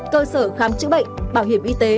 cơ sở khám chữa bệnh bảo hiểm y tế